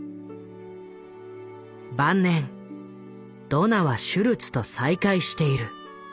晩年ドナはシュルツと再会している。